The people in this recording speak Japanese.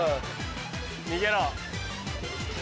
逃げろ。